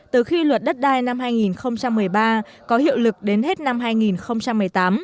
từ khi luật đất đai năm hai nghìn một mươi ba có hiệu lực đến hết năm hai nghìn một mươi tám